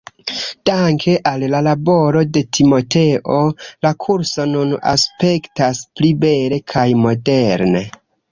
Danke al la laboro de Timoteo, la kurso nun aspektas pli bele kaj moderne.